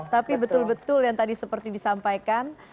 tapi betul betul yang tadi seperti disampaikan